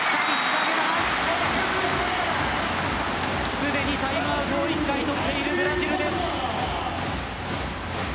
すでにタイムアウトを１回取っているブラジルです。